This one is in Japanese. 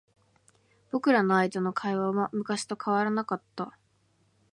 僕らの間の会話は昔と変わらなかった。